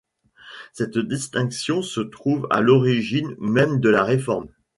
Cette distinction se trouve à l'origine même de la Réforme.